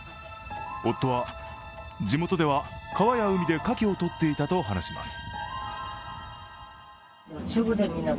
夫は、地元では川や海でカキを取っていたと話します。